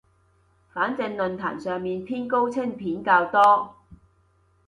反正論壇上面偏高清片較多